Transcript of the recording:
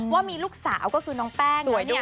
ว่ามีลูกสาวก็คือน้องแป้ง